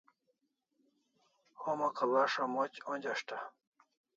Homa Kalasha moch onjeshta